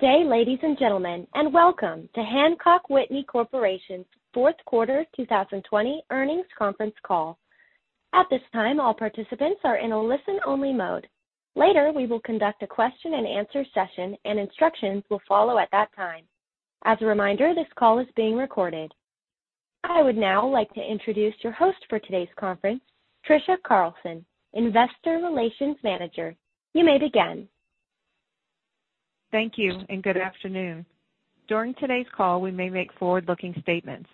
Good day, ladies and gentlemen, and welcome to Hancock Whitney Corporation's fourth quarter 2020 earnings conference call. At this time, all participants are in a listen-only mode. Later, we will conduct a question-and-answer session, and instructions will follow at that time. As a reminder, this call is being recorded. I would now like to introduce your host for today's conference, Trisha Carlson, Investor Relations Manager. You may begin. Thank you, and good afternoon. During today's call, we may make forward-looking statements.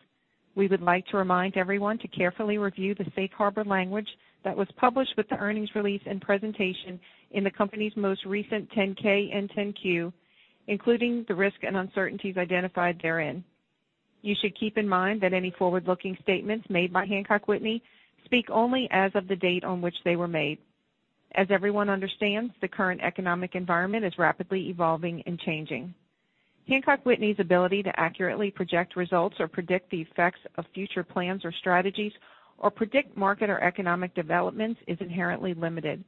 We would like to remind everyone to carefully review the safe harbor language that was published with the earnings release and presentation in the company's most recent 10-K and 10-Q, including the risk and uncertainties identified therein. You should keep in mind that any forward-looking statements made by Hancock Whitney speak only as of the date on which they were made. As everyone understands, the current economic environment is rapidly evolving and changing. Hancock Whitney's ability to accurately project results or predict the effects of future plans or strategies or predict market or economic developments is inherently limited.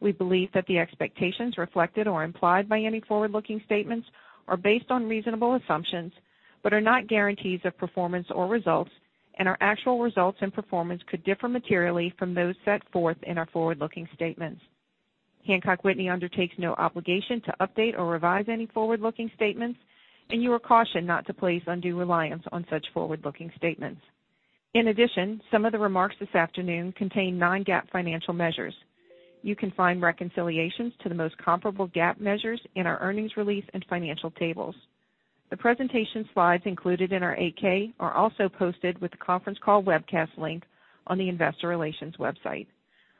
We believe that the expectations reflected or implied by any forward-looking statements are based on reasonable assumptions, but are not guarantees of performance or results, and our actual results and performance could differ materially from those set forth in our forward-looking statements. Hancock Whitney undertakes no obligation to update or revise any forward-looking statements, and you are cautioned not to place undue reliance on such forward-looking statements. Some of the remarks this afternoon contain non-GAAP financial measures. You can find reconciliations to the most comparable GAAP measures in our earnings release and financial tables. The presentation slides included in our 8-K are also posted with the conference call webcast link on the investor relations website.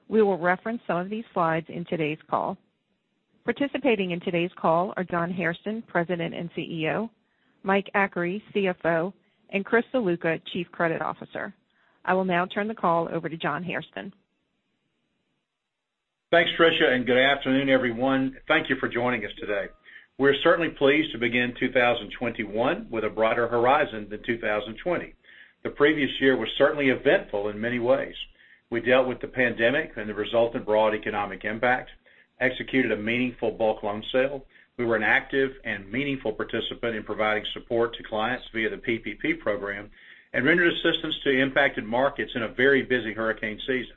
We will reference some of these slides in today's call. Participating in today's call are John Hairston, President and CEO; Mike Achary, CFO; and Chris Ziluca, Chief Credit Officer. I will now turn the call over to John Hairston. Thanks, Trisha, and good afternoon, everyone. Thank you for joining us today. We're certainly pleased to begin 2021 with a brighter horizon than 2020. The previous year was certainly eventful in many ways. We dealt with the pandemic and the resultant broad economic impact, executed a meaningful bulk loan sale. We were an active and meaningful participant in providing support to clients via the PPP program and rendered assistance to impacted markets in a very busy hurricane season.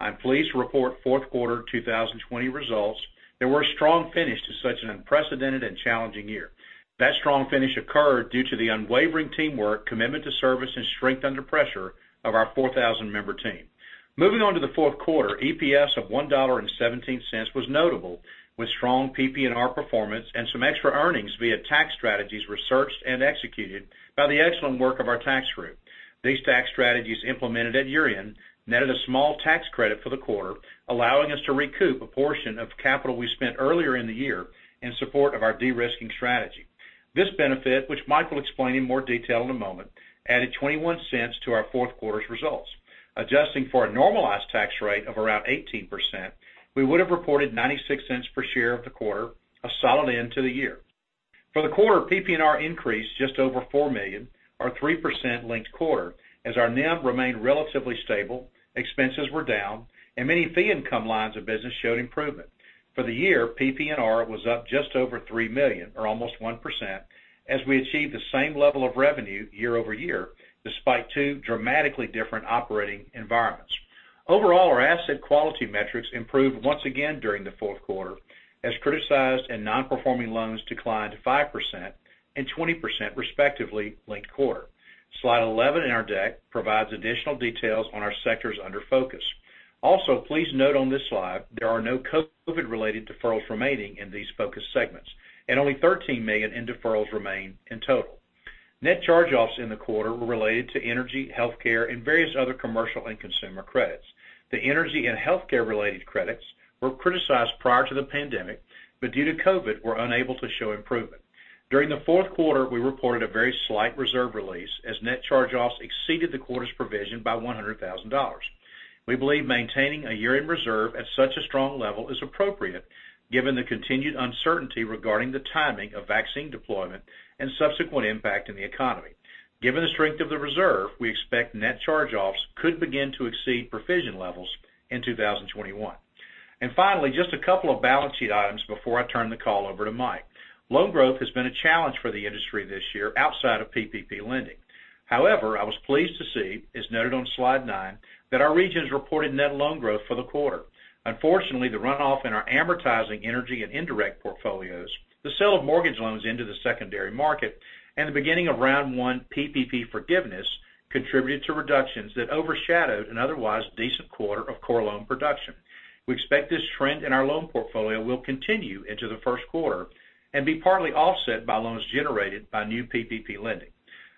I'm pleased to report fourth quarter 2020 results that were a strong finish to such an unprecedented and challenging year. That strong finish occurred due to the unwavering teamwork, commitment to service, and strength under pressure of our 4,000-member team. Moving on to the fourth quarter, EPS of $1.17 was notable, with strong PPNR performance and some extra earnings via tax strategies researched and executed by the excellent work of our tax group. These tax strategies, implemented at year-end, netted a small tax credit for the quarter, allowing us to recoup a portion of capital we spent earlier in the year in support of our de-risking strategy. This benefit, which Mike will explain in more detail in a moment, added $0.21 to our fourth quarter's results. Adjusting for a normalized tax rate of around 18%, we would have reported $0.96 per share of the quarter, a solid end to the year. For the quarter, PPNR increased just over $4 million, or 3% linked quarter, as our NIM remained relatively stable, expenses were down, and many fee income lines of business showed improvement. For the year, PPNR was up just over $3 million, or almost 1%, as we achieved the same level of revenue year over year despite two dramatically different operating environments. Overall, our asset quality metrics improved once again during the fourth quarter as criticized and non-performing loans declined 5% and 20%, respectively, linked quarter. Slide 11 in our deck provides additional details on our sectors under focus. Also, please note on this slide, there are no COVID-related deferrals remaining in these focus segments, and only $13 million in deferrals remain in total. Net charge-offs in the quarter were related to energy, healthcare, and various other commercial and consumer credits. The energy and healthcare-related credits were criticized prior to the pandemic, but due to COVID, were unable to show improvement. During the fourth quarter, we reported a very slight reserve release as net charge-offs exceeded the quarter's provision by $100,000. We believe maintaining a year-end reserve at such a strong level is appropriate given the continued uncertainty regarding the timing of vaccine deployment and subsequent impact in the economy. Given the strength of the reserve, we expect net charge-offs could begin to exceed provision levels in 2021. Finally, just a couple of balance sheet items before I turn the call over to Mike. Loan growth has been a challenge for the industry this year outside of PPP lending. However, I was pleased to see, as noted on slide nine, that our regions reported net loan growth for the quarter. Unfortunately, the runoff in our amortizing energy and indirect portfolios, the sale of mortgage loans into the secondary market, and the beginning of round one PPP forgiveness contributed to reductions that overshadowed an otherwise decent quarter of core loan production. We expect this trend in our loan portfolio will continue into the first quarter and be partly offset by loans generated by new PPP lending.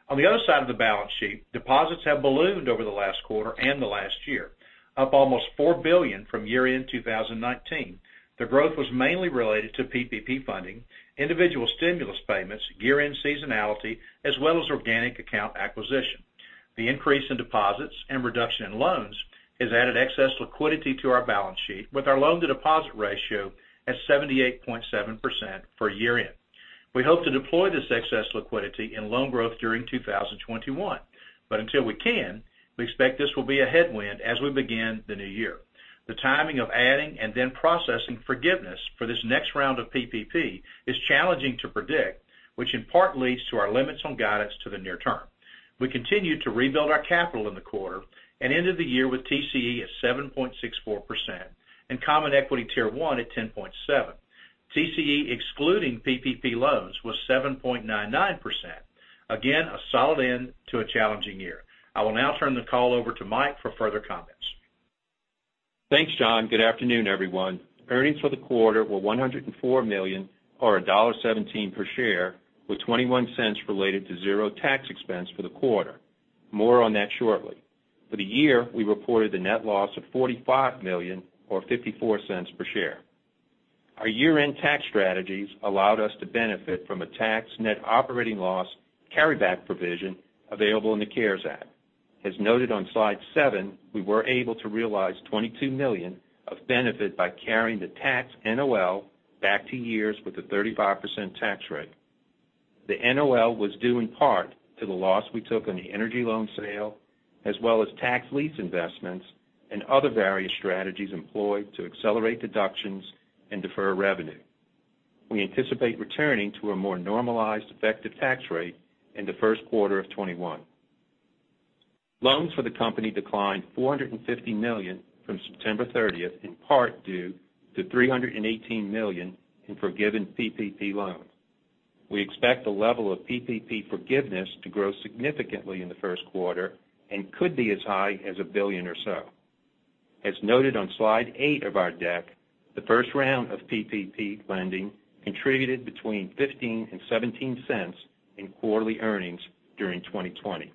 On the other side of the balance sheet, deposits have ballooned over the last quarter and the last year, up almost $4 billion from year-end 2019. The growth was mainly related to PPP funding, individual stimulus payments, year-end seasonality, as well as organic account acquisition. The increase in deposits and reduction in loans has added excess liquidity to our balance sheet, with our loan-to-deposit ratio at 78.7% for year-end. We hope to deploy this excess liquidity in loan growth during 2021, but until we can, we expect this will be a headwind as we begin the new year. The timing of adding and then processing forgiveness for this next round of PPP is challenging to predict, which in part leads to our limits on guidance to the near term. We continue to rebuild our capital in the quarter and ended the year with TCE at 7.64% and Common Equity Tier 1 at 10.7%. TCE, excluding PPP loans, was 7.99%. Again, a solid end to a challenging year. I will now turn the call over to Mike for further comments. Thanks, John. Good afternoon, everyone. Earnings for the quarter were $104 million or $1.17 per share, with $0.21 related to zero tax expense for the quarter. More on that shortly. For the year, we reported a net loss of $45 million or $0.54 per share. Our year-end tax strategies allowed us to benefit from a tax net operating loss carryback provision available in the CARES Act. As noted on slide seven, we were able to realize $22 million of benefit by carrying the tax NOL back to years with a 35% tax rate. The NOL was due in part to the loss we took on the energy loan sale, as well as tax lease investments and other various strategies employed to accelerate deductions and defer revenue. We anticipate returning to a more normalized effective tax rate in the first quarter of 2021. Loans for the company declined $450 million from September 30th, in part due to $318 million in forgiven PPP loans. We expect the level of PPP forgiveness to grow significantly in the first quarter and could be as high as $1 billion or so. As noted on slide eight of our deck, the first round of PPP lending contributed between $0.15 and $0.17 in quarterly earnings during 2020.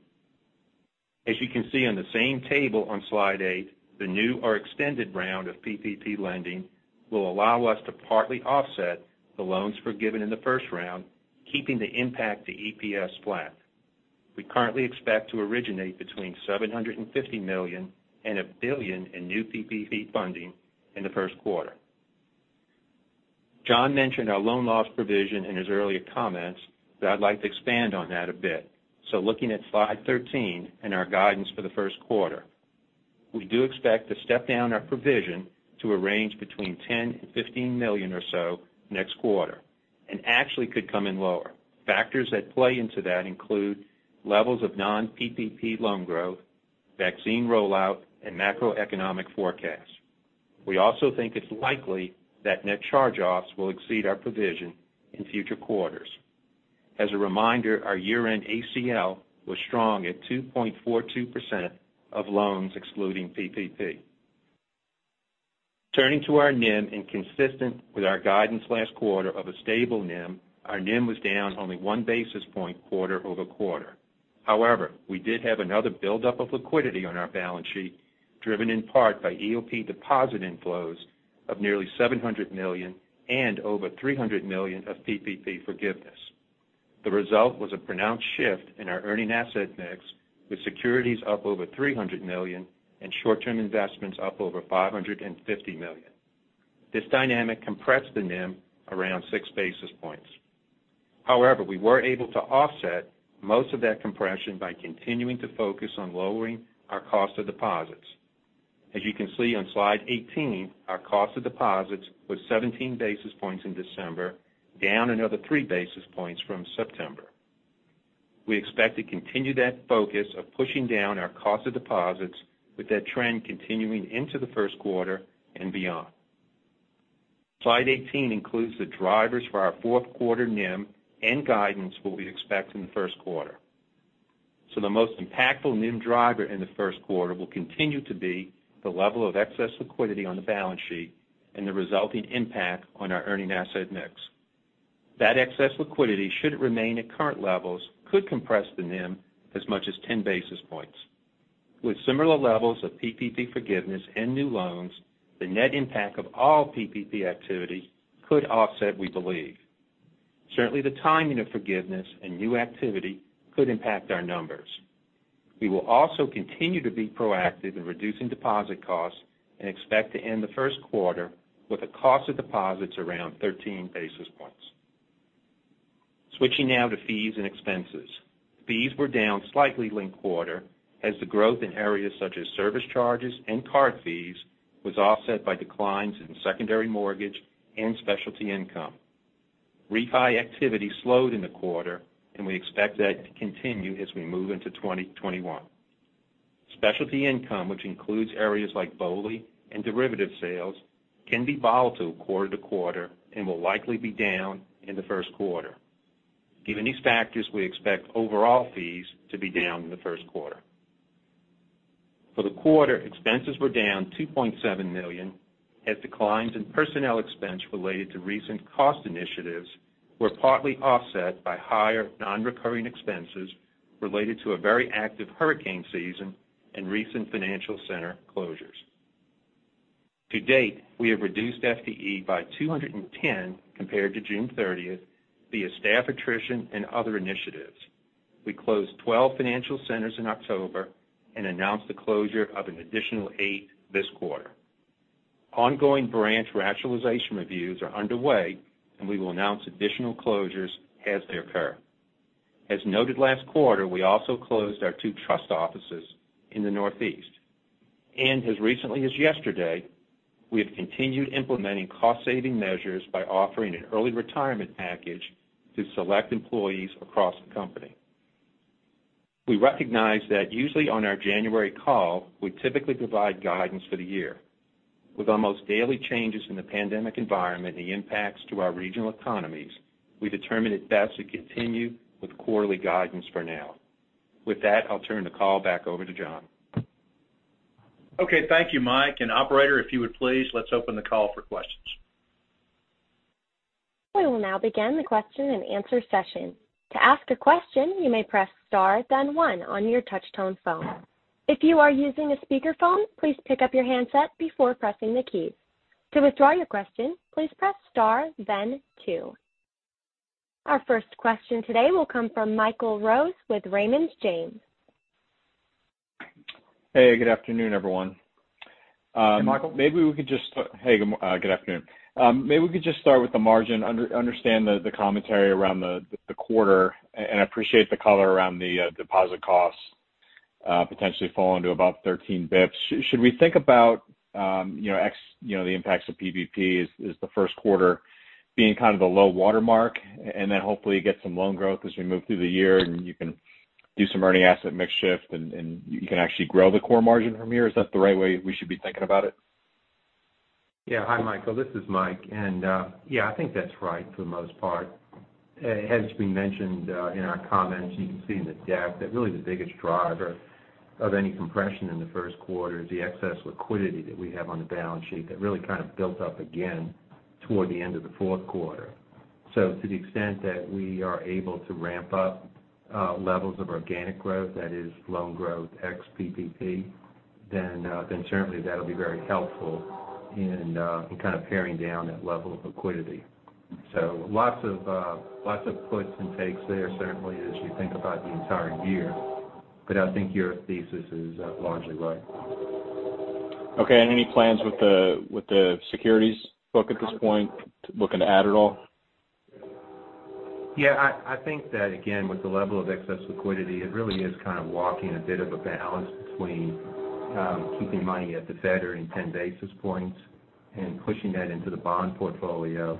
As you can see on the same table on slide eight, the new or extended round of PPP lending will allow us to partly offset the loans forgiven in the first round, keeping the impact to EPS flat. We currently expect to originate between $750 million and $1 billion in new PPP funding in the first quarter. John mentioned our loan loss provision in his earlier comments. I'd like to expand on that a bit. Looking at slide 13 and our guidance for the first quarter, we do expect to step down our provision to a range between $10 million and $15 million or so next quarter, and actually could come in lower. Factors that play into that include levels of non-PPP loan growth, vaccine rollout, and macroeconomic forecasts. We also think it's likely that net charge-offs will exceed our provision in future quarters. As a reminder, our year-end ACL was strong at 2.42% of loans excluding PPP. Turning to our NIM, and consistent with our guidance last quarter of a stable NIM, our NIM was down only one basis point quarter-over-quarter. However, we did have another buildup of liquidity on our balance sheet, driven in part by EOP deposit inflows of nearly $700 million and over $300 million of PPP forgiveness. The result was a pronounced shift in our earning asset mix, with securities up over $300 million and short-term investments up over $550 million. This dynamic compressed the NIM around six basis points. However, we were able to offset most of that compression by continuing to focus on lowering our cost of deposits. As you can see on slide 18, our cost of deposits was 17 basis points in December, down another three basis points from September. We expect to continue that focus of pushing down our cost of deposits, with that trend continuing into the first quarter and beyond. Slide 18 includes the drivers for our fourth quarter NIM and guidance for what we expect in the first quarter. The most impactful NIM driver in the first quarter will continue to be the level of excess liquidity on the balance sheet and the resulting impact on our earning asset mix. That excess liquidity, should it remain at current levels, could compress the NIM as much as 10 basis points. With similar levels of PPP forgiveness and new loans, the net impact of all PPP activity could offset, we believe. Certainly, the timing of forgiveness and new activity could impact our numbers. We will also continue to be proactive in reducing deposit costs and expect to end the first quarter with a cost of deposits around 13 basis points. Switching now to fees and expenses. Fees were down slightly linked quarter as the growth in areas such as service charges and card fees was offset by declines in secondary mortgage and specialty income. Refi activity slowed in the quarter, and we expect that to continue as we move into 2021. Specialty income, which includes areas like BOLI and derivative sales, can be volatile quarter to quarter and will likely be down in the first quarter. Given these factors, we expect overall fees to be down in the first quarter. For the quarter, expenses were down $2.7 million as declines in personnel expense related to recent cost initiatives were partly offset by higher non-recurring expenses related to a very active hurricane season and recent financial center closures. To date, we have reduced FTE by 210 compared to June 30th via staff attrition and other initiatives. We closed 12 financial centers in October and announced the closure of an additional eight this quarter. Ongoing branch rationalization reviews are underway, and we will announce additional closures as they occur. As noted last quarter, we also closed our two trust offices in the Northeast. As recently as yesterday, we have continued implementing cost saving measures by offering an early retirement package to select employees across the company. We recognize that usually on our January call, we typically provide guidance for the year. With almost daily changes in the pandemic environment and the impacts to our regional economies, we determined it best to continue with quarterly guidance for now. With that, I'll turn the call back over to John. Okay. Thank you, Mike, and operator, if you would please, let's open the call for questions. We will now begin the question-and-answer session. To ask a question, you may press star then one on your touch-tone phone. If you are using a speakerphone, please pick up your handset before pressing the key. To withdraw your question, please press star then two. Our first question today will come from Michael Rose with Raymond James. Hey, good afternoon, everyone. Hey, Michael. Hey, good afternoon. Maybe we could just start with the margin. Understand the commentary around the quarter. Appreciate the color around the deposit costs potentially falling to about 13 bps. Should we think about the impacts of PPP as the first quarter being kind of the low watermark and then hopefully you get some loan growth as we move through the year, and you can do some earning asset mix shift, and you can actually grow the core margin from here? Is that the right way we should be thinking about it? Hi, Michael. This is Mike. Yeah, I think that's right for the most part. As we mentioned in our comments, you can see in the deck that really the biggest driver of any compression in the first quarter is the excess liquidity that we have on the balance sheet that really kind of built up again toward the end of the fourth quarter. To the extent that we are able to ramp up levels of organic growth, that is loan growth ex PPP, then certainly that'll be very helpful in kind of paring down that level of liquidity. Lots of puts and takes there certainly as you think about the entire year. I think your thesis is largely right. Okay. Any plans with the securities book at this point? Looking to add at all? Yeah, I think that again, with the level of excess liquidity, it really is kind of walking a bit of a balance between keeping money at the Fed earning 10 basis points and pushing that into the bond portfolio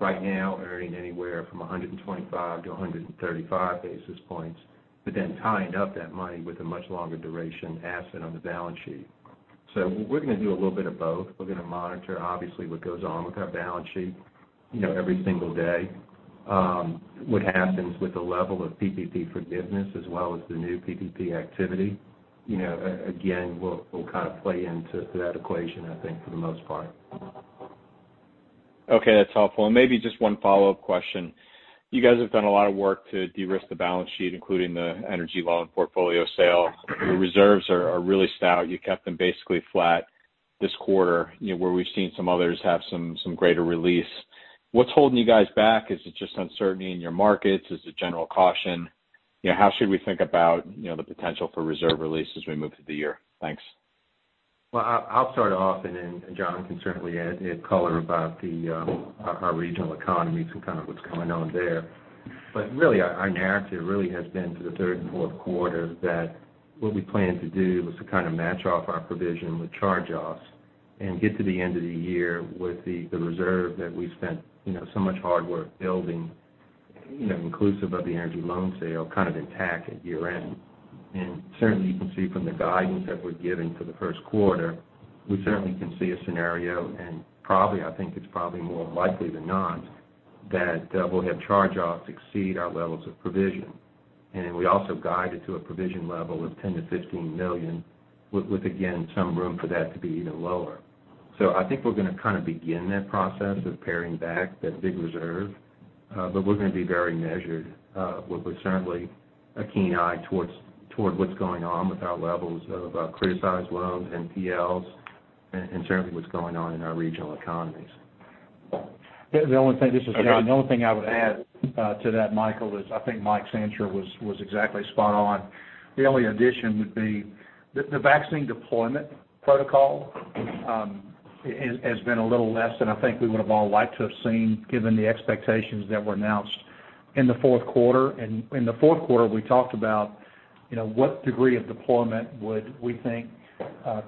right now earning anywhere from 125-135 basis points, but then tying up that money with a much longer duration asset on the balance sheet. We're going to do a little bit of both. We're going to monitor, obviously, what goes on with our balance sheet every single day. What happens with the level of PPP forgiveness as well as the new PPP activity. Again, will kind of play into that equation, I think, for the most part. Okay. That's helpful. Maybe just one follow-up question. You guys have done a lot of work to de-risk the balance sheet, including the energy loan portfolio sale. The reserves are really stout. You kept them basically flat this quarter, where we've seen some others have some greater release. What's holding you guys back? Is it just uncertainty in your markets? Is it general caution? How should we think about the potential for reserve release as we move through the year? Thanks. I'll start off, and then John can certainly add color about our regional economies and kind of what's going on there. Really, our narrative really has been to the third and fourth quarter that what we planned to do was to kind of match off our provision with charge-offs and get to the end of the year with the reserve that we spent so much hard work building, inclusive of the energy loan sale, kind of intact at year-end. Certainly, you can see from the guidance that we're giving for the first quarter, we certainly can see a scenario and probably, I think it's probably more likely than not, that we'll have charge-offs exceed our levels of provision. We also guided to a provision level of $10 million-$15 million, with, again, some room for that to be even lower. I think we're going to kind of begin that process of paring back that big reserve, but we're going to be very measured with certainly a keen eye toward what's going on with our levels of criticized loans, NPLs, and certainly what's going on in our regional economies. The only thing, this is John. The only thing I would add to that, Michael, is I think Mike's answer was exactly spot on. The only addition would be the vaccine deployment protocol has been a little less than I think we would have all liked to have seen given the expectations that were announced in the fourth quarter. In the fourth quarter, we talked about what degree of deployment would we think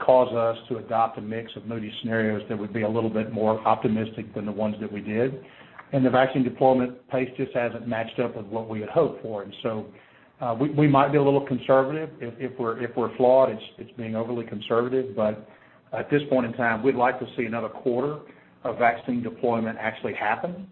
cause us to adopt a mix of Moody's scenarios that would be a little bit more optimistic than the ones that we did. The vaccine deployment pace just hasn't matched up with what we had hoped for. We might be a little conservative. If we're flawed, it's being overly conservative. At this point in time, we'd like to see another quarter of vaccine deployment actually happen.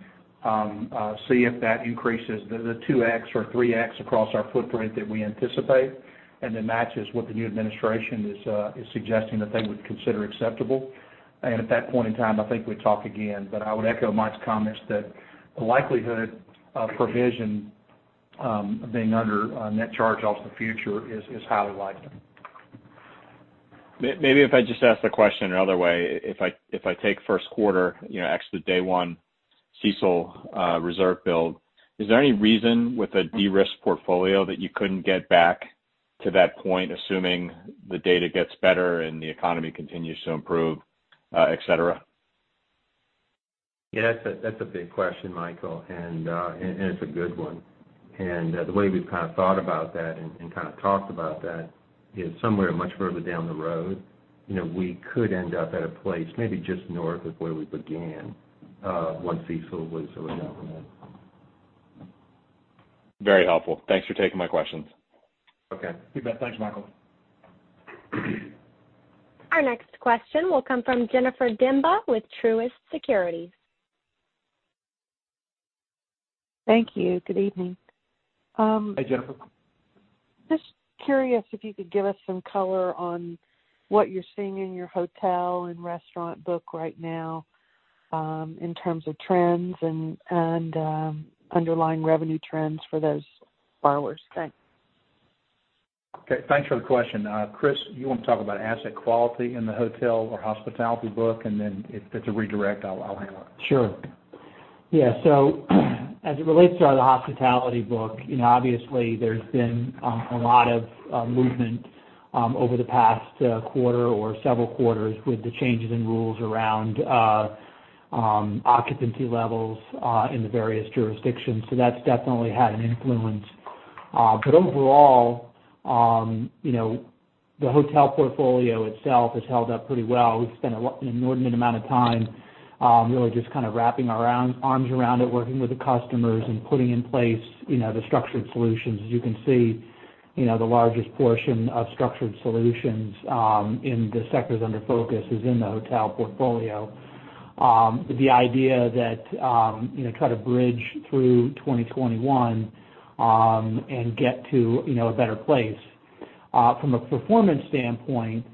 See if that increases the 2x or 3x across our footprint that we anticipate, then matches what the new administration is suggesting that they would consider acceptable. At that point in time, I think we'd talk again. I would echo Mike's comments that the likelihood of provision being under net charge-offs in the future is highly likely. Maybe if I just ask the question another way. If I take first quarter, ex the day one CECL reserve build, is there any reason with a de-risked portfolio that you couldn't get back to that point, assuming the data gets better and the economy continues to improve, et cetera? Yeah, that's a big question, Michael, and it's a good one. The way we've kind of thought about that and kind of talked about that is somewhere much further down the road. We could end up at a place maybe just north of where we began, once CECL was sort of implemented. Very helpful. Thanks for taking my questions. Okay. You bet. Thanks, Michael. Our next question will come from Jennifer Demba with Truist Securities. Thank you. Good evening. Hi, Jennifer. Just curious if you could give us some color on what you're seeing in your hotel and restaurant book right now, in terms of trends and underlying revenue trends for those borrowers. Thanks. Okay, thanks for the question. Chris, you want to talk about asset quality in the hotel or hospitality book? If it's a redirect, I'll handle it. Sure. Yeah. As it relates to our hospitality book, obviously there's been a lot of movement over the past quarter or several quarters with the changes in rules around occupancy levels in the various jurisdictions. That's definitely had an influence. Overall, the hotel portfolio itself has held up pretty well. We've spent an inordinate amount of time really just kind of wrapping our arms around it, working with the customers, and putting in place the structured solutions. As you can see, the largest portion of structured solutions in the sectors under focus is in the hotel portfolio. The idea that try to bridge through 2021, and get to a better place. From a performance standpoint,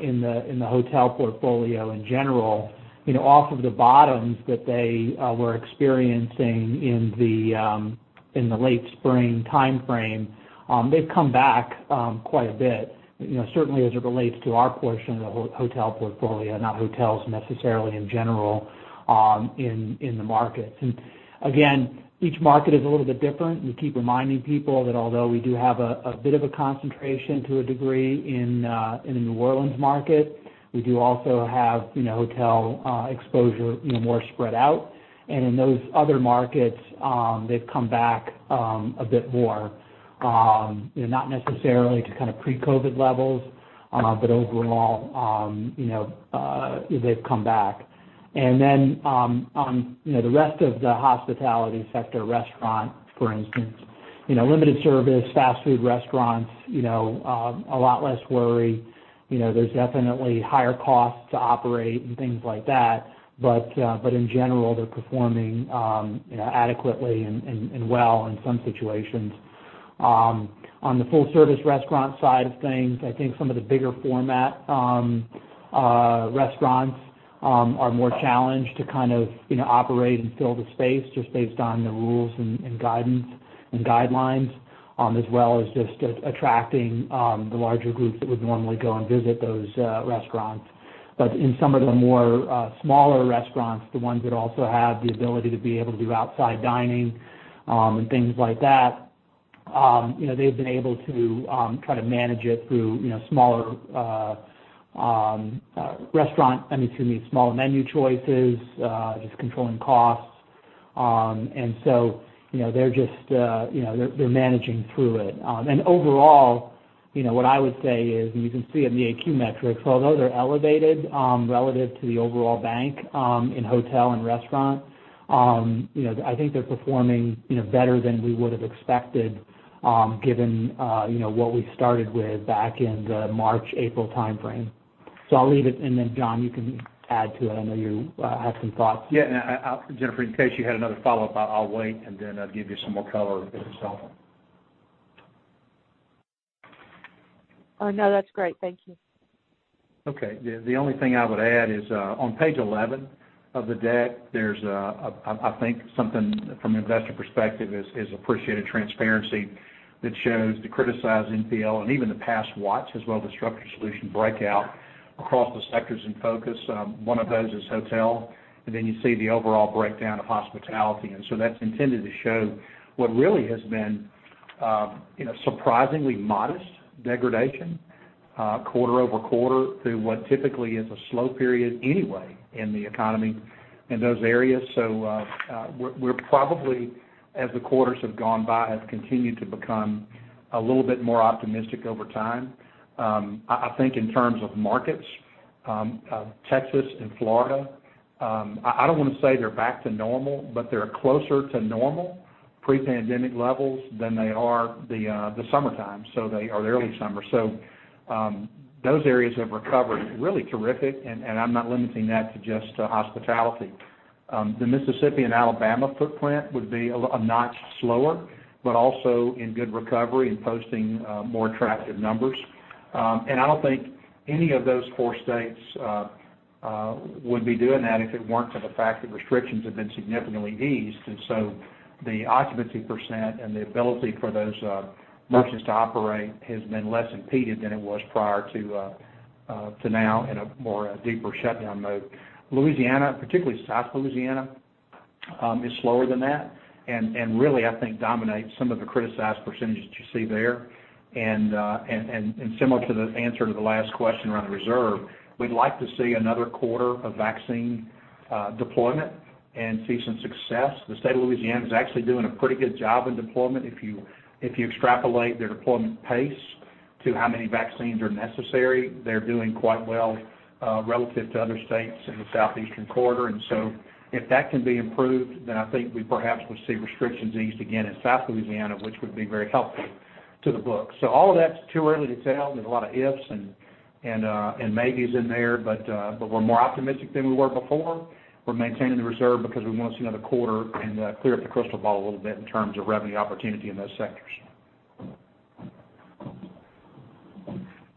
in the hotel portfolio in general, off of the bottoms that they were experiencing in the late spring timeframe, they've come back quite a bit. Certainly as it relates to our portion of the hotel portfolio, not hotels necessarily in general in the markets. Each market is a little bit different. We keep reminding people that although we do have a bit of a concentration to a degree in the New Orleans market, we do also have hotel exposure more spread out. In those other markets, they've come back a bit more, not necessarily to kind of pre-COVID levels, but overall, they've come back. The rest of the hospitality sector, restaurant for instance, limited service, fast food restaurants, a lot less worry. There's definitely higher costs to operate and things like that. In general, they're performing adequately, and well in some situations. On the full service restaurant side of things, I think some of the bigger format restaurants are more challenged to kind of operate and fill the space just based on the rules and guidelines, as well as just attracting the larger groups that would normally go and visit those restaurants. In some of the more smaller restaurants, the ones that also have the ability to be able to do outside dining, and things like that, they've been able to kind of manage it through small menu choices, just controlling costs. They're managing through it. Overall, what I would say is, and you can see in the AQ metrics, although they're elevated relative to the overall bank in hotel and restaurant, I think they're performing better than we would've expected given what we started with back in the March, April timeframe. I'll leave it, and then John, you can add to it. I know you have some thoughts. Yeah. Jennifer, in case you had another follow-up, I'll wait, and then I'll give you some more color if it's helpful. Oh, no, that's great. Thank you. Okay. The only thing I would add is on page 11 of the deck, there's I think something from an investor perspective is appreciated transparency that shows the criticized NPL and even the pass watch as well as the structured solution breakout across the sectors in focus. One of those is hotel, and then you see the overall breakdown of hospitality. That's intended to show what really has been surprisingly modest degradation quarter-over-quarter through what typically is a slow period anyway in the economy in those areas. We're probably, as the quarters have gone by, have continued to become a little bit more optimistic over time. I think in terms of markets, Texas and Florida, I don't want to say they're back to normal, but they're closer to normal pre-pandemic levels than they are the summertime. They are the early summer. Those areas have recovered really terrific, and I'm not limiting that to just hospitality. The Mississippi and Alabama footprint would be a notch slower, but also in good recovery and posting more attractive numbers. I don't think any of those four states would be doing that if it weren't for the fact that restrictions have been significantly eased. The occupancy percent and the ability for those merchants to operate has been less impeded than it was prior to now in a more deeper shutdown mode. Louisiana, particularly South Louisiana is slower than that, and really, I think dominates some of the criticized percentage that you see there. Similar to the answer to the last question around the reserve, we'd like to see another quarter of vaccine deployment and see some success. The state of Louisiana is actually doing a pretty good job in deployment. If you extrapolate their deployment pace to how many vaccines are necessary, they're doing quite well relative to other states in the southeastern quarter. If that can be improved, then I think we perhaps would see restrictions eased again in South Louisiana, which would be very helpful to the book. All of that's too early to tell. There's a lot of ifs and maybes in there, but we're more optimistic than we were before. We're maintaining the reserve because we want to see another quarter and clear up the crystal ball a little bit in terms of revenue opportunity in those sectors.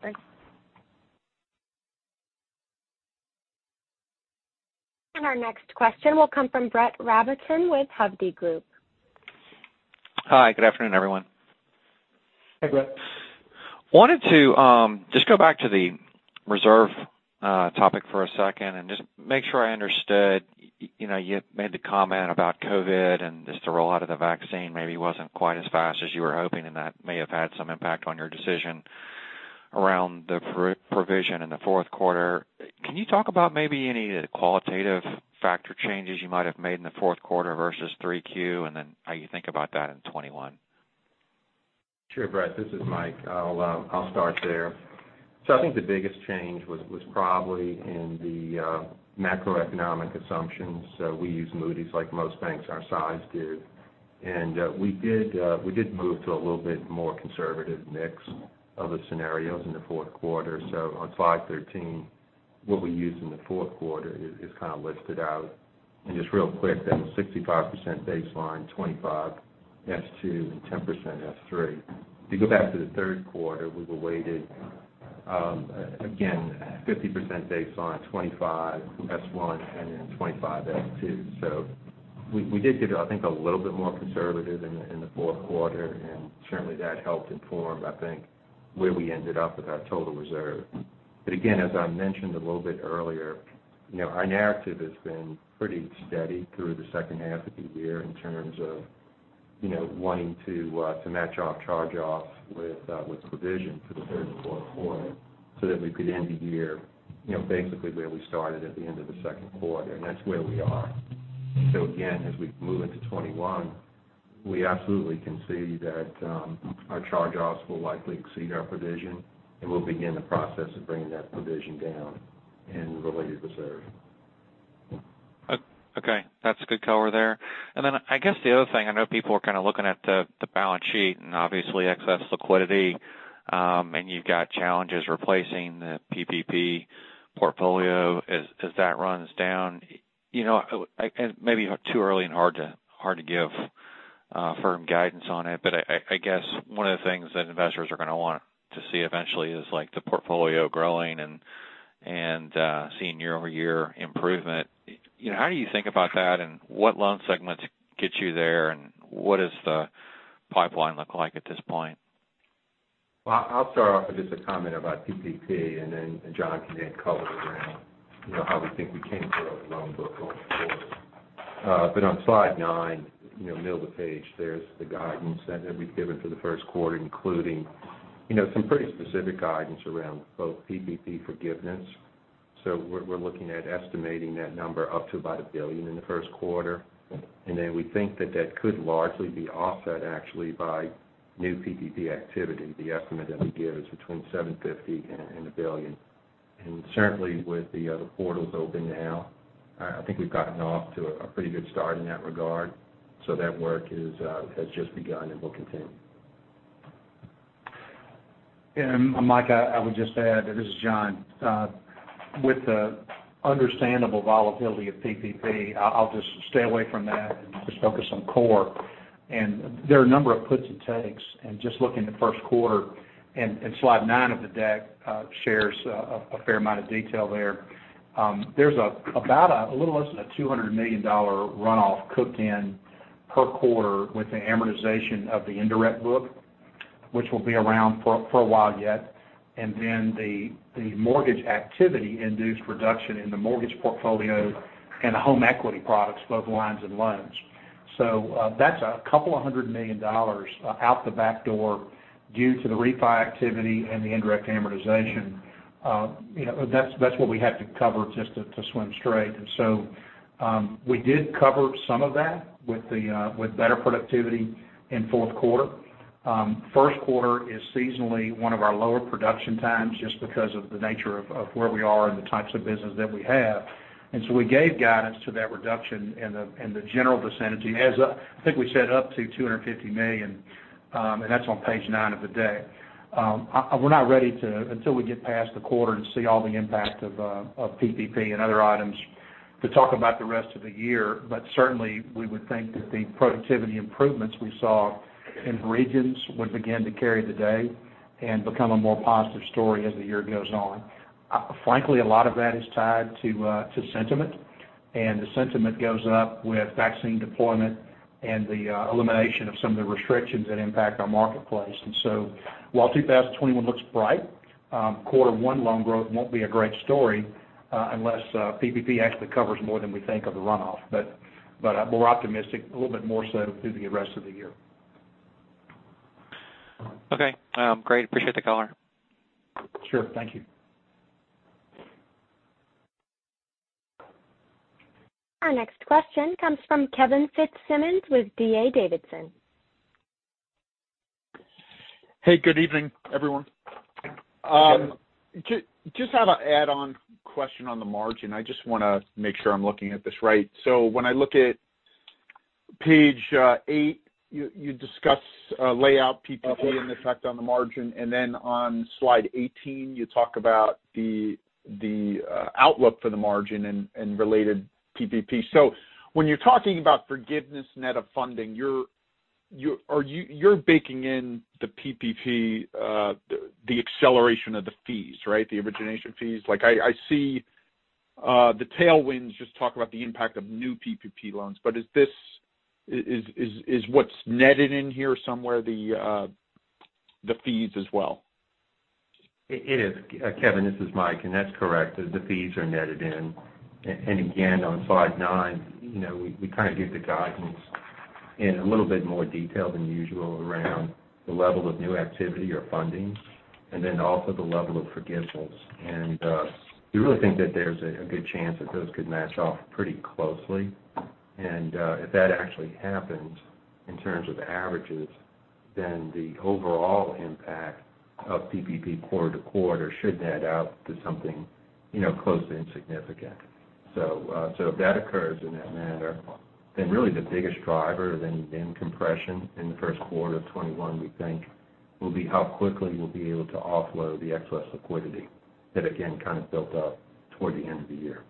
Thanks. Our next question will come from Brett Rabatin with Hovde Group. Hi, good afternoon, everyone. Hey, Brett. Wanted to just go back to the reserve topic for a second and just make sure I understood. You made the comment about COVID and just the rollout of the vaccine maybe wasn't quite as fast as you were hoping, and that may have had some impact on your decision around the provision in the fourth quarter. Can you talk about maybe any of the qualitative factor changes you might have made in the fourth quarter versus Q3, and then how you think about that in 2021? Sure, Brett. This is Mike. I'll start there. I think the biggest change was probably in the macroeconomic assumptions. We use Moody's like most banks our size do. We did move to a little bit more conservative mix of the scenarios in the fourth quarter. On slide 13, what we used in the fourth quarter is kind of listed out. Just real quick, that was 65% baseline, 25% S2, and 10% S3. To go back to the third quarter, we were weighted, again, 50% baseline, 25% S1, and then 25% S2. We did get, I think, a little bit more conservative in the fourth quarter, and certainly that helped inform, I think, where we ended up with our total reserve. Again, as I mentioned a little bit earlier, our narrative has been pretty steady through the second half of the year in terms of wanting to match off charge-offs with provision for the third and fourth quarter so that we could end the year basically where we started at the end of the second quarter. That's where we are. Again, as we move into 2021, we absolutely can see that our charge-offs will likely exceed our provision, and we'll begin the process of bringing that provision down and related reserve. Okay. That's a good cover there. Then I guess the other thing, I know people are kind of looking at the balance sheet and obviously excess liquidity, and you've got challenges replacing the PPP portfolio as that runs down. Maybe too early and hard to give firm guidance on it, but I guess one of the things that investors are going to want to see eventually is the portfolio growing and seeing year-over-year improvement. How do you think about that, and what loan segments get you there, and what does the pipeline look like at this point? Well, I'll start off with just a comment about PPP, then John can then color around how we think we can grow the loan book going forward. On slide nine, middle of the page, there's the guidance that we've given for the first quarter, including some pretty specific guidance around both PPP forgiveness. We're looking at estimating that number up to about $1 billion in the first quarter. We think that that could largely be offset actually by new PPP activity, the estimate that we give is between $750 million and $1 billion. Certainly with the other portals open now, I think we've gotten off to a pretty good start in that regard. That work has just begun and will continue. Mike, I would just add, this is John. With the understandable volatility of PPP, I'll just stay away from that and just focus on core. There are a number of puts and takes, just looking at the first quarter, and slide nine of the deck shares a fair amount of detail there. There's about a little less than a $200 million runoff cooked in per quarter with the amortization of the indirect book, which will be around for a while yet. Then the mortgage activity induced reduction in the mortgage portfolio and the home equity products, both lines and loans. That's a couple of hundred million dollars out the back door due to the refi activity and the indirect amortization. That's what we have to cover just to swim straight. We did cover some of that with better productivity in fourth quarter. First quarter is seasonally one of our lower production times just because of the nature of where we are and the types of business that we have. We gave guidance to that reduction in the general vicinity as, I think we said up to $250 million, and that's on page nine of the deck. We're not ready until we get past the quarter to see all the impact of PPP and other items, to talk about the rest of the year. Certainly, we would think that the productivity improvements we saw in regions would begin to carry the day and become a more positive story as the year goes on. Frankly, a lot of that is tied to sentiment, and the sentiment goes up with vaccine deployment and the elimination of some of the restrictions that impact our marketplace. While 2021 looks bright. Quarter one loan growth won't be a great story, unless PPP actually covers more than we think of the runoff. We're optimistic a little bit more so through the rest of the year. Okay. Great. Appreciate the color. Sure. Thank you. Our next question comes from Kevin Fitzsimmons with D.A. Davidson. Hey, good evening, everyone. Just have an add-on question on the margin. I just want to make sure I'm looking at this right. When I look at page eight, you discuss, lay out PPP. Okay. Effect on the margin, then on slide 18, you talk about the outlook for the margin and related PPP. When you're talking about forgiveness net of funding, you're baking in the PPP, the acceleration of the fees, right? The origination fees. I see the tailwinds just talk about the impact of new PPP loans. Is what's netted in here somewhere the fees as well? It is. Kevin, this is Mike, and that's correct. The fees are netted in. Again, on slide nine, we kind of give the guidance in a little bit more detail than usual around the level of new activity or funding, and then also the level of forgiveness. We really think that there's a good chance that those could match off pretty closely. If that actually happens in terms of averages, then the overall impact of PPP quarter-to-quarter should net out to something close to insignificant. If that occurs in that manner, then really the biggest driver then in compression in the first quarter of 2021, we think will be how quickly we'll be able to offload the excess liquidity that again, kind of built up toward the end of the year.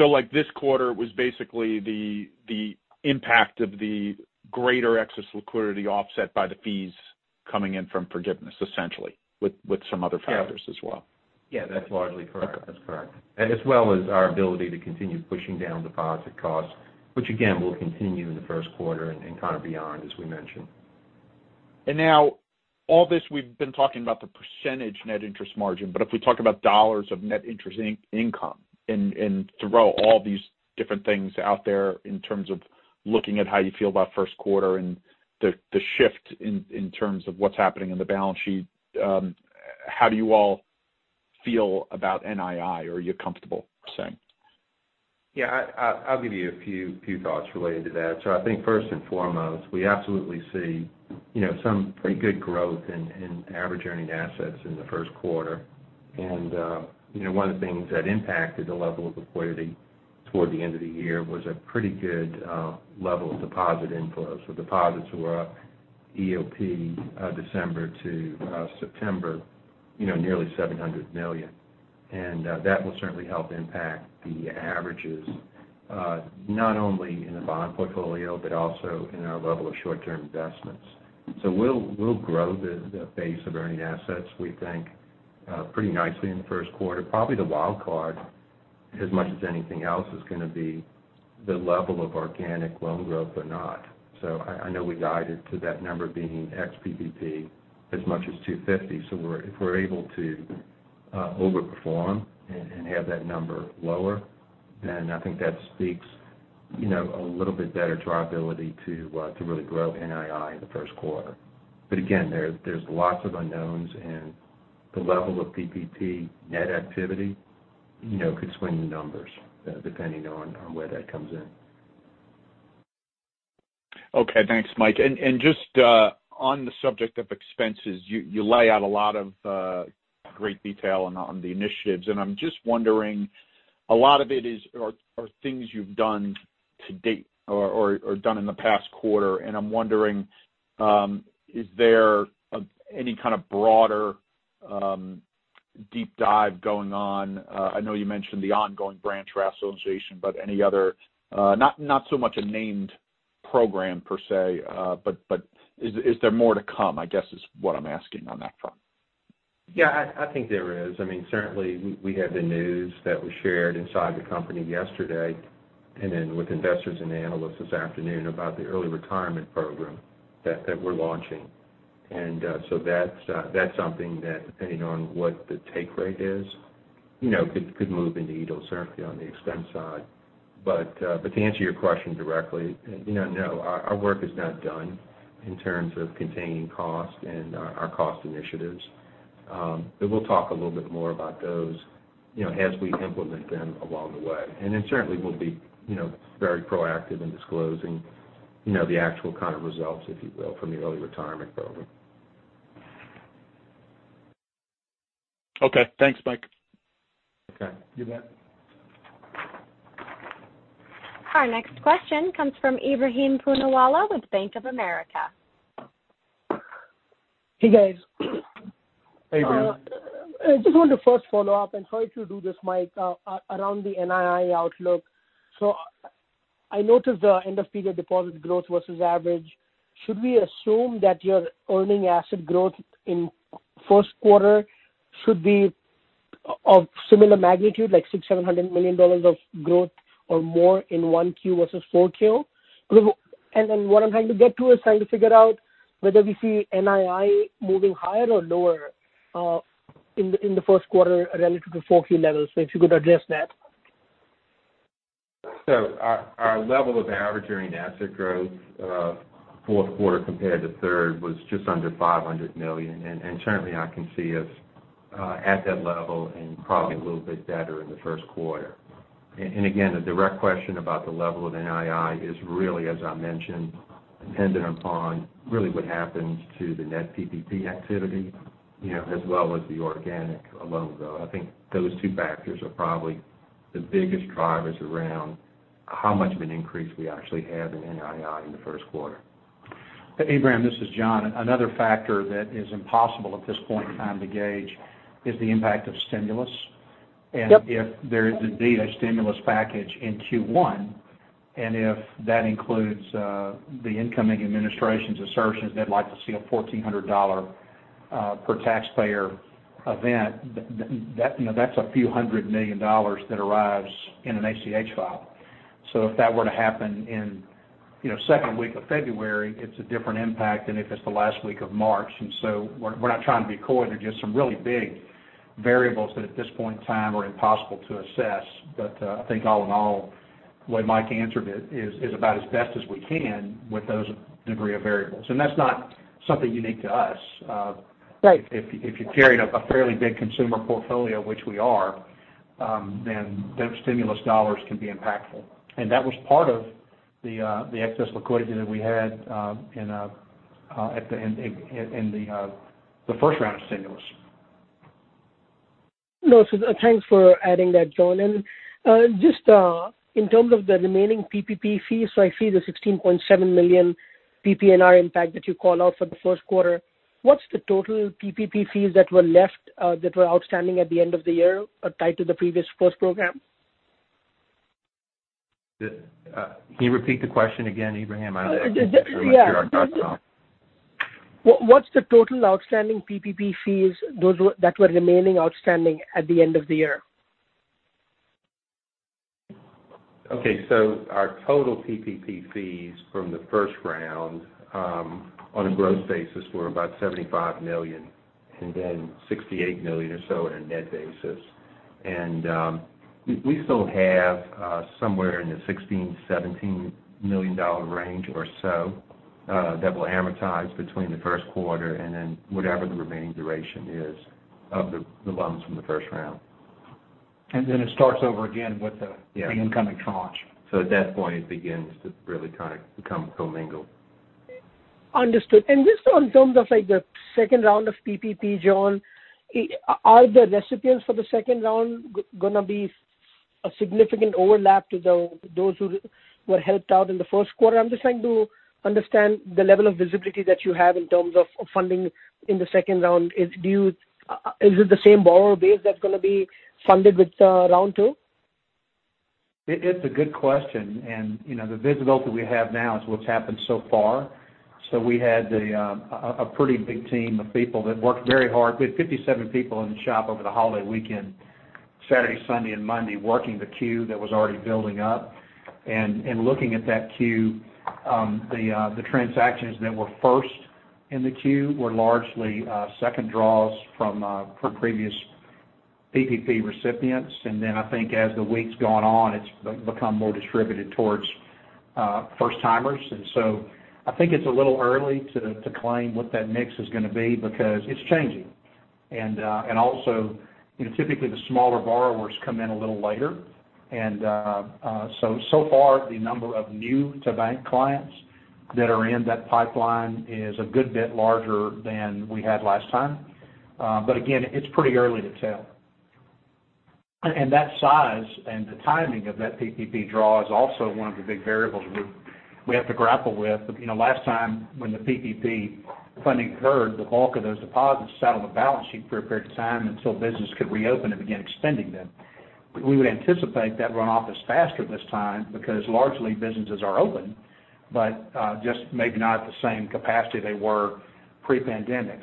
Like this quarter was basically the impact of the greater excess liquidity offset by the fees coming in from forgiveness, essentially, with some other factors as well. Yeah, that's largely correct. Okay. That's correct. Our ability to continue pushing down deposit costs, which again, will continue in the first quarter and kind of beyond, as we mentioned. Now all this, we've been talking about the percentage net interest margin. If we talk about dollars of net interest income and throw all these different things out there in terms of looking at how you feel about first quarter and the shift in terms of what's happening in the balance sheet, how do you all feel about NII? Are you comfortable saying? Yeah, I'll give you a few thoughts related to that. I think first and foremost, we absolutely see some pretty good growth in average earning assets in the first quarter. One of the things that impacted the level of liquidity toward the end of the year was a pretty good level of deposit inflows. Deposits were up EOP December to September, nearly $700 million. That will certainly help impact the averages, not only in the bond portfolio, but also in our level of short-term investments. We'll grow the base of earning assets, we think pretty nicely in the first quarter. Probably the wild card as much as anything else is going to be the level of organic loan growth or not. I know we guided to that number being ex PPP as much as $250. If we're able to overperform and have that number lower, then I think that speaks a little bit better to our ability to really grow NII in the first quarter. Again, there's lots of unknowns, and the level of PPP net activity could swing the numbers, depending on where that comes in. Okay, thanks, Mike. Just on the subject of expenses, you lay out a lot of great detail on the initiatives, and I'm just wondering, a lot of it are things you've done to date or done in the past quarter, and I'm wondering, is there any kind of broader deep dive going on? I know you mentioned the ongoing branch rationalization, but any other, not so much a named program per se, but is there more to come, I guess, is what I'm asking on that front? Yeah, I think there is. Certainly, we had the news that we shared inside the company yesterday and then with investors and analysts this afternoon about the early retirement program that we're launching. That's something that depending on what the take rate is, could move the needle certainly on the expense side. To answer your question directly, no. Our work is not done in terms of containing costs and our cost initiatives. We'll talk a little bit more about those as we implement them along the way. Certainly we'll be very proactive in disclosing the actual kind of results, if you will, from the early retirement program. Okay. Thanks, Mike. Okay. You bet. Our next question comes from Ebrahim Poonawala with Bank of America. Hey, guys. Hey, Ebrahim. I just want to first follow up and sorry to do this, Mike, around the NII outlook. I noticed the end of period deposit growth versus average. Should we assume that your earning asset growth in first quarter should be of similar magnitude, like $600 million-$700 million of growth or more in 1Q versus 4Q? What I'm trying to get to is trying to figure out whether we see NII moving higher or lower, in the first quarter relative to 4Q levels. If you could address that. Our level of average earning asset growth, fourth quarter compared to third, was just under $500 million. Currently I can see us at that level and probably a little bit better in the first quarter. Again, the direct question about the level of NII is really, as I mentioned, dependent upon really what happens to the net PPP activity, as well as the organic loan growth. I think those two factors are probably the biggest drivers around how much of an increase we actually have in NII in the first quarter. Ebrahim, this is John. Another factor that is impossible at this point in time to gauge is the impact of stimulus. Yep. If there is indeed a stimulus package in Q1, and if that includes the incoming administration's assertions they'd like to see a $1,400 per taxpayer event, that's a few hundred million dollars that arrives in an ACH file. If that were to happen in second week of February, it's a different impact than if it's the last week of March. We're not trying to be coy, there are just some really big variables that at this point in time are impossible to assess. I think all in all, the way Mike answered it is about as best as we can with those degree of variables. That's not something unique to us. Right. If you carry a fairly big consumer portfolio, which we are, then stimulus dollars can be impactful. That was part of the excess liquidity that we had in the first round of stimulus. No. Thanks for adding that, John. Just in terms of the remaining PPP fees, I see the $16.7 million PPNR impact that you called out for the first quarter. What's the total PPP fees that were outstanding at the end of the year, or tied to the previous first program? Can you repeat the question again, Ebrahim? I was actually looking at. What's the total outstanding PPP fees that were remaining outstanding at the end of the year? Okay, our total PPP fees from the first round, on a gross basis, were about $75 million, and then $68 million or so on a net basis. We still have somewhere in the $16 million-$17 million range or so that will amortize between the first quarter and then whatever the remaining duration is of the loans from the first round. It starts over again with the. Yeah. Incoming tranche. At that point, it begins to really kind of become commingled. Understood. Just in terms of the second round of PPP, John, are the recipients for the second round going to be a significant overlap to those who were helped out in the first quarter? I'm just trying to understand the level of visibility that you have in terms of funding in the second round. Is it the same borrower base that's going to be funded with round two? It's a good question. The visibility we have now is what's happened so far. We had a pretty big team of people that worked very hard. We had 57 people in the shop over the holiday weekend, Saturday, Sunday and Monday, working the queue that was already building up. In looking at that queue, the transactions that were first in the queue were largely second draws from previous PPP recipients. I think as the weeks gone on, it's become more distributed towards first timers. I think it's a little early to claim what that mix is going to be because it's changing. Also, typically the smaller borrowers come in a little later. So far the number of new to bank clients that are in that pipeline is a good bit larger than we had last time. Again, it's pretty early to tell. That size and the timing of that PPP draw is also one of the big variables we have to grapple with. Last time when the PPP funding occurred, the bulk of those deposits sat on the balance sheet for a period of time until business could reopen and begin expending them. We would anticipate that runoff is faster this time because largely businesses are open, but just maybe not at the same capacity they were pre-pandemic.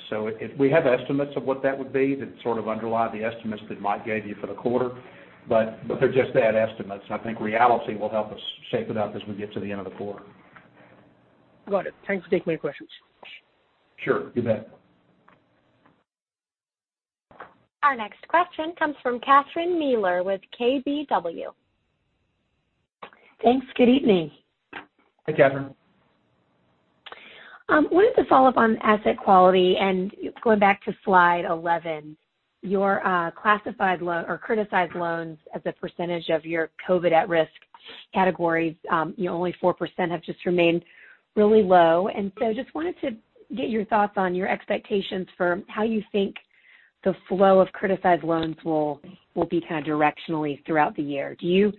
We have estimates of what that would be that sort of underlie the estimates that Mike gave you for the quarter, but they're just that, estimates. I think reality will help us shape it up as we get to the end of the quarter. Got it. Thanks. Take my questions. Sure. You bet. Our next question comes from Catherine Mealor with KBW. Thanks. Good evening. Hey, Catherine. Wanted to follow up on asset quality going back to slide 11. Your classified loan or criticized loans as a percentage of your COVID at-risk categories, only 4% have just remained really low. Just wanted to get your thoughts on your expectations for how you think the flow of criticized loans will be kind of directionally throughout the year. Do you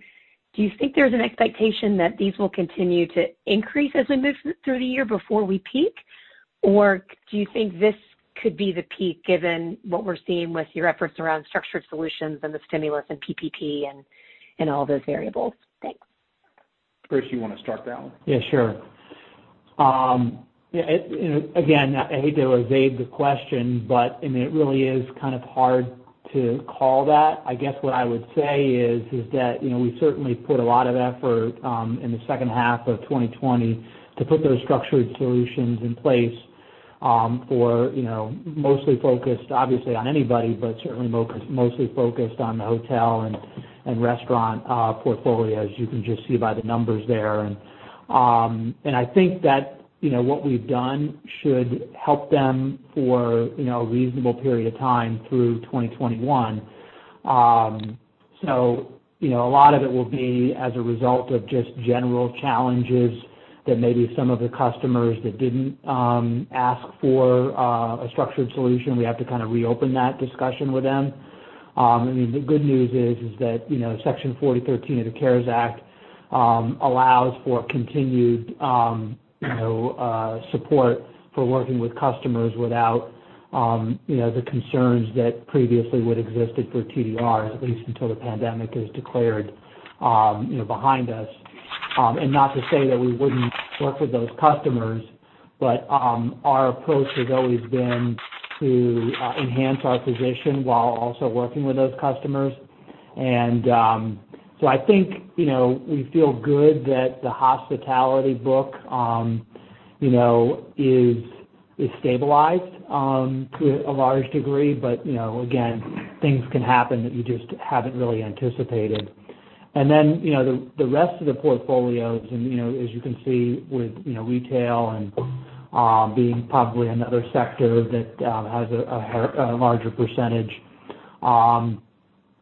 think there's an expectation that these will continue to increase as we move through the year before we peak? Or do you think this could be the peak given what we're seeing with your efforts around structured solutions and the stimulus and PPP and all those variables? Thanks. Chris, do you want to start that one? Yeah, sure. I hate to evade the question, but it really is kind of hard to call that. I guess what I would say is that we certainly put a lot of effort in the second half of 2020 to put those structured solutions in place for, mostly focused, obviously, on anybody, but certainly mostly focused on the hotel and restaurant portfolios. You can just see by the numbers there. I think that what we've done should help them for a reasonable period of time through 2021. A lot of it will be as a result of just general challenges that maybe some of the customers that didn't ask for a structured solution, we have to kind of reopen that discussion with them. The good news is that Section 4013 of the CARES Act allows for continued support for working with customers without the concerns that previously would existed for TDRs, at least until the pandemic is declared behind us. Not to say that we wouldn't work with those customers, but our approach has always been to enhance our position while also working with those customers. So I think we feel good that the hospitality book is stabilized to a large degree. Again, things can happen that you just haven't really anticipated. Then the rest of the portfolios, as you can see with retail being probably another sector that has a larger percentage.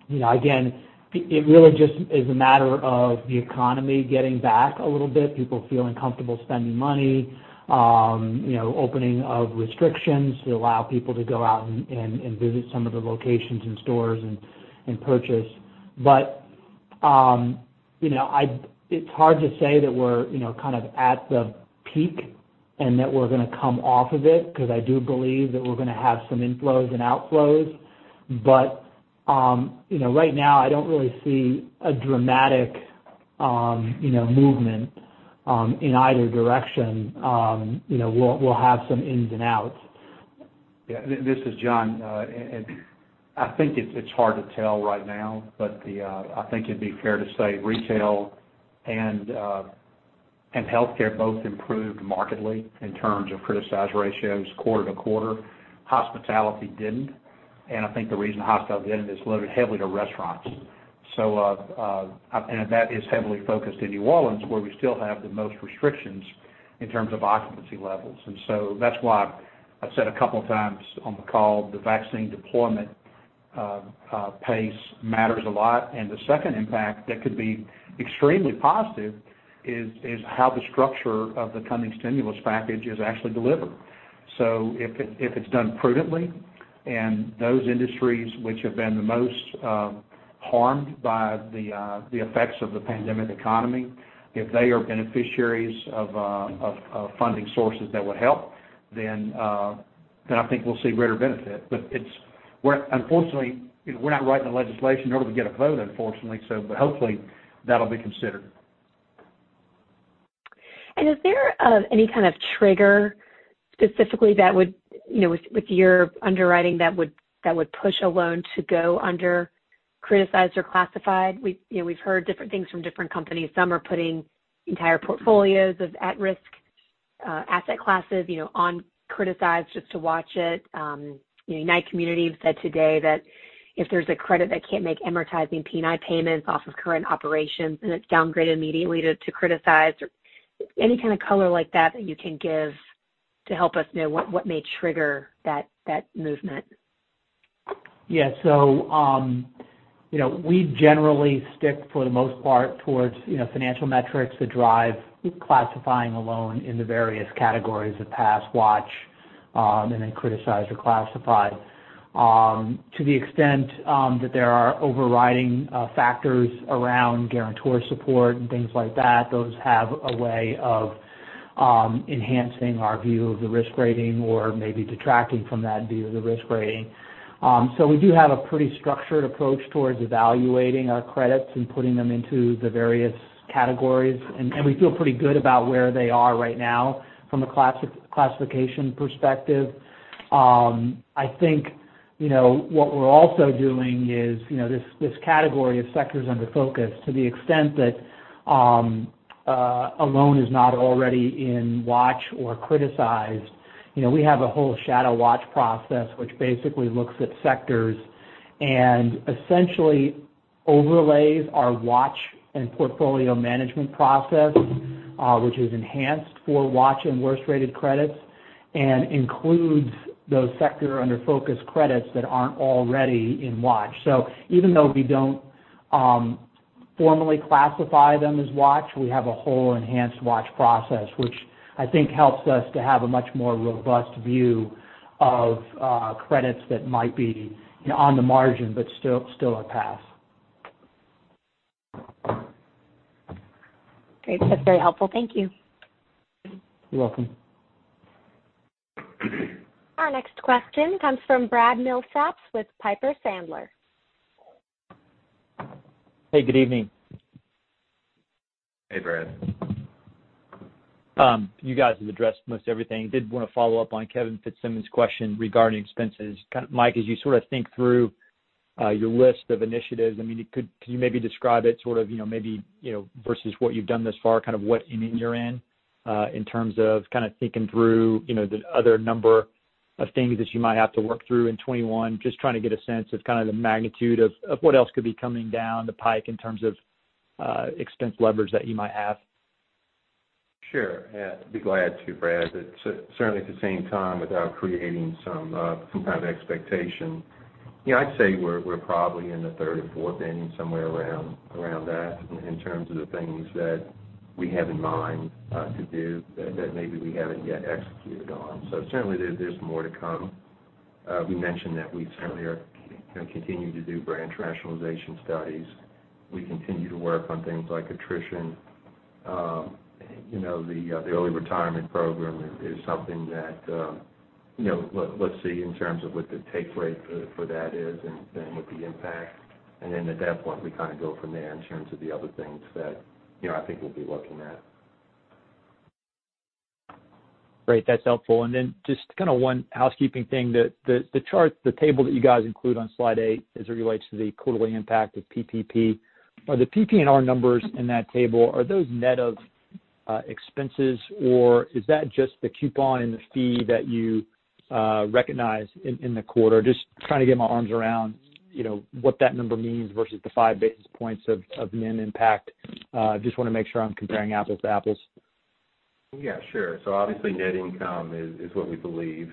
Again, it really just is a matter of the economy getting back a little bit, people feeling comfortable spending money, opening of restrictions to allow people to go out and visit some of the locations and stores and purchase. It's hard to say that we're at the peak and that we're going to come off of it, because I do believe that we're going to have some inflows and outflows. Right now, I don't really see a dramatic movement in either direction. We'll have some ins and outs. Yeah, this is John. I think it's hard to tell right now, but I think it'd be fair to say retail and healthcare both improved markedly in terms of criticized ratios quarter to quarter. Hospitality didn't. I think the reason hospitality didn't is loaded heavily to restaurants. That is heavily focused in New Orleans, where we still have the most restrictions in terms of occupancy levels. That's why I've said a couple of times on the call, the vaccine deployment pace matters a lot. The second impact that could be extremely positive is how the structure of the coming stimulus package is actually delivered. If it's done prudently and those industries which have been the most harmed by the effects of the pandemic economy, if they are beneficiaries of funding sources that would help, then I think we'll see greater benefit. Unfortunately, we're not writing the legislation nor do we get a vote, unfortunately. Hopefully, that'll be considered. Is there any kind of trigger specifically that would, with your underwriting, that would push a loan to go under criticized or classified? We've heard different things from different companies. Some are putting entire portfolios of at-risk asset classes on criticized just to watch it. United Community said today that if there's a credit that can't make amortizing P&I payments off of current operations, then it's downgraded immediately to criticized. Any kind of color like that you can give to help us know what may trigger that movement? Yeah. We generally stick, for the most part, towards financial metrics that drive classifying a loan in the various categories of pass, watch, and then criticized or classified. To the extent that there are overriding factors around guarantor support and things like that, those have a way of enhancing our view of the risk rating or maybe detracting from that view of the risk rating. We do have a pretty structured approach towards evaluating our credits and putting them into the various categories, and we feel pretty good about where they are right now from a classification perspective. I think what we're also doing is this category of sectors under focus to the extent that a loan is not already in watch or criticized. We have a whole shadow watch process, which basically looks at sectors and essentially overlays our watch and portfolio management process, which is enhanced for watch and worse rated credits and includes those sector under focus credits that aren't already in watch. Even though we don't formally classify them as watch, we have a whole enhanced watch process, which I think helps us to have a much more robust view of credits that might be on the margin, but still a pass. Great. That's very helpful. Thank you. You're welcome. Our next question comes from Brad Milsaps with Piper Sandler. Hey, good evening. Hey, Brad. You guys have addressed most everything. Did want to follow up on Kevin Fitzsimmons' question regarding expenses. Mike, as you think through your list of initiatives, can you maybe describe it maybe versus what you've done thus far, what inning you're in terms of thinking through the other number of things that you might have to work through in 2021? Just trying to get a sense of the magnitude of what else could be coming down the pipe in terms of expense levers that you might have. Sure. I'd be glad to, Brad. Certainly at the same time, without creating some kind of expectation. I'd say we're probably in the third or fourth inning, somewhere around that, in terms of the things that we have in mind to do that maybe we haven't yet executed on. Certainly, there's more to come. We mentioned that we certainly are going to continue to do branch rationalization studies. We continue to work on things like attrition. The early retirement program is something that, let's see in terms of what the take rate for that is and what the impact. At that point, we go from there in terms of the other things that I think we'll be looking at. Great. That's helpful. Just one housekeeping thing. The table that you guys include on slide eight as it relates to the quarterly impact of PPP. Are the PPNR numbers in that table, are those net of expenses or is that just the coupon and the fee that you recognize in the quarter? Just trying to get my arms around what that number means versus the five basis points of the NII impact. Just want to make sure I'm comparing apples to apples. Yeah, sure. Obviously, net income is what we believe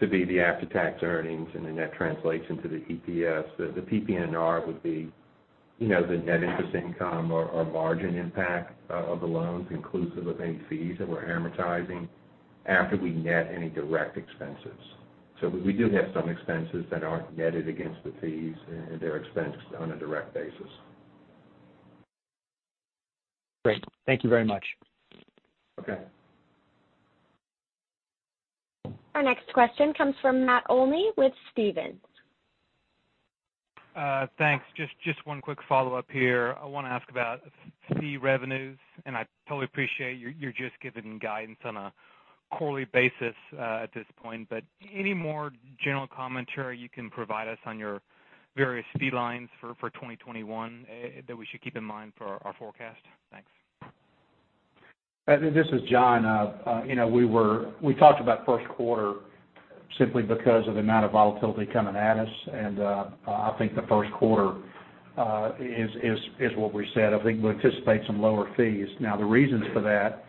to be the after-tax earnings, and then that translates into the EPS. The PPNR would be the net interest income or margin impact of the loans inclusive of any fees that we're amortizing after we net any direct expenses. We do have some expenses that aren't netted against the fees, and they're expenses on a direct basis. Great. Thank you very much. Okay. Our next question comes from Matt Olney with Stephens. Thanks. Just one quick follow-up here. I want to ask about fee revenues. I totally appreciate you're just giving guidance on a quarterly basis at this point. Any more general commentary you can provide us on your various fee lines for 2021 that we should keep in mind for our forecast? Thanks. This is John. We talked about first quarter simply because of the amount of volatility coming at us. I think the first quarter is what we said. I think we anticipate some lower fees. The reasons for that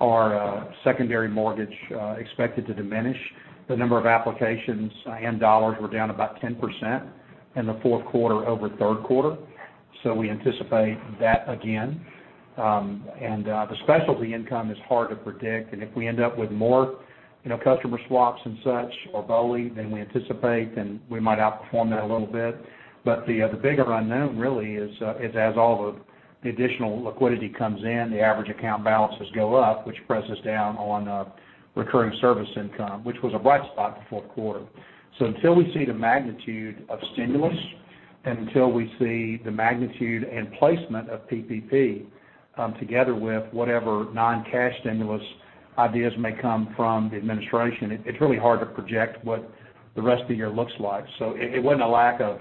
are secondary mortgage expected to diminish. The number of applications and dollars were down about 10% in the fourth quarter over third quarter. We anticipate that again. The specialty income is hard to predict. If we end up with more customer swaps and such or BOLI than we anticipate, we might outperform that a little bit. The bigger unknown really is as all the additional liquidity comes in, the average account balances go up, which presses down on recurring service income, which was a bright spot in the fourth quarter. Until we see the magnitude of stimulus, and until we see the magnitude and placement of PPP, together with whatever non-cash stimulus ideas may come from the administration, it's really hard to project what the rest of the year looks like. It wasn't a lack of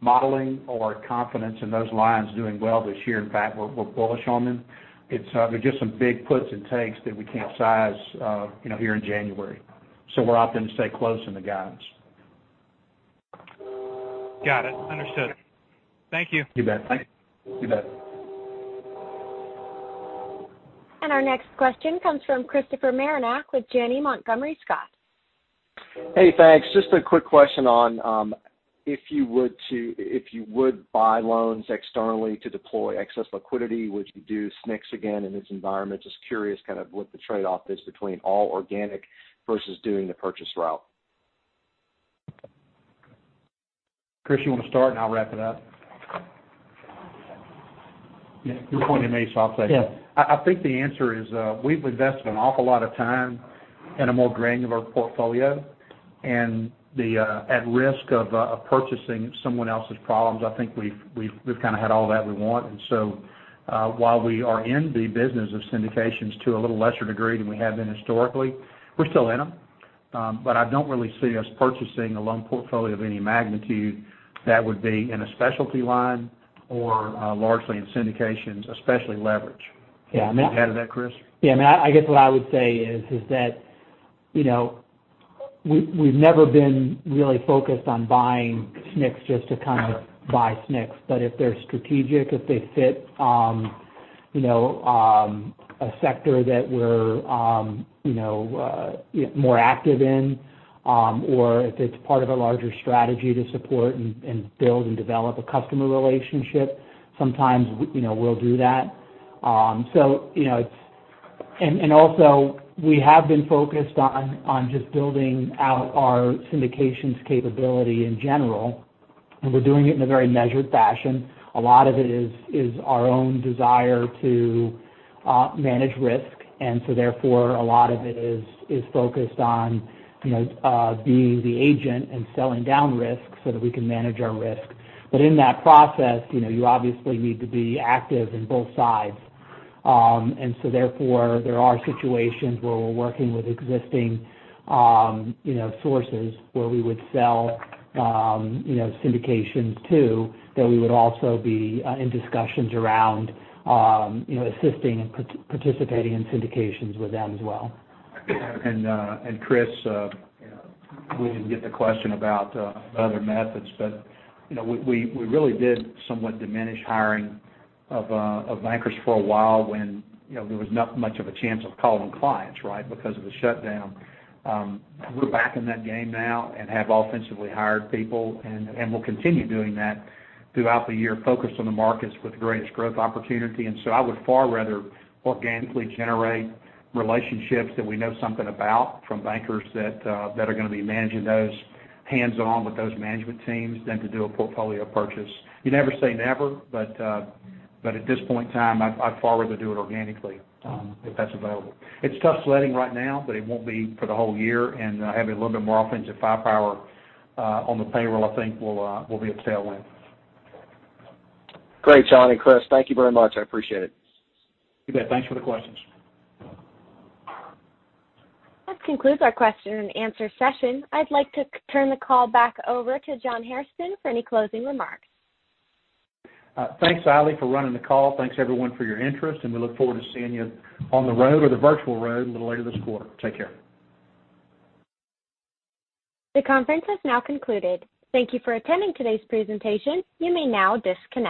modeling or confidence in those lines doing well this year. In fact, we're bullish on them. There are just some big puts and takes that we can't size here in January. We're opting to stay close in the guidance. Got it. Understood. Thank you. You bet. Thanks. You bet. Our next question comes from Christopher Marinac with Janney Montgomery Scott. Hey, thanks. Just a quick question on if you would buy loans externally to deploy excess liquidity, would you do SNCs again in this environment? Just curious kind of what the trade-off is between all organic versus doing the purchase route. Chris, you want to start and I'll wrap it up? Yeah. You pointed at me, so I'll say. Yeah. I think the answer is, we've invested an awful lot of time in a more granular portfolio. At risk of purchasing someone else's problems, I think we've kind of had all that we want. While we are in the business of syndications to a little lesser degree than we have been historically, we're still in them. I don't really see us purchasing a loan portfolio of any magnitude that would be in a specialty line or largely in syndications, especially leverage. You want to add to that, Chris? Yeah, I guess what I would say is that we've never been really focused on buying SNCs just to kind of buy SNCs. If they're strategic, if they fit a sector that we're more active in, or if it's part of a larger strategy to support and build and develop a customer relationship, sometimes we'll do that. Also, we have been focused on just building out our syndications capability in general. We're doing it in a very measured fashion. A lot of it is our own desire to manage risk, and so therefore, a lot of it is focused on being the agent and selling down risk so that we can manage our risk. In that process, you obviously need to be active in both sides. Therefore, there are situations where we're working with existing sources where we would sell syndications to, that we would also be in discussions around assisting and participating in syndications with them as well. Chris, we didn't get the question about other methods, but we really did somewhat diminish hiring of bankers for a while when there was not much of a chance of calling clients because of the shutdown. We're back in that game now and have offensively hired people and will continue doing that throughout the year, focused on the markets with the greatest growth opportunity. I would far rather organically generate relationships that we know something about from bankers that are going to be managing those hands-on with those management teams than to do a portfolio purchase. You never say never, but at this point in time, I'd far rather do it organically if that's available. It's tough sledding right now, but it won't be for the whole year, and having a little bit more offensive firepower on the payroll, I think will be a tailwind. Great, John and Chris. Thank you very much. I appreciate it. You bet. Thanks for the questions. That concludes our question-and-answer session. I'd like to turn the call back over to John Hairston for any closing remarks. Thanks, Ally, for running the call. Thanks, everyone, for your interest, and we look forward to seeing you on the road or the virtual road a little later this quarter. Take care. The conference has now concluded. Thank you for attending today's presentation. You may now disconnect.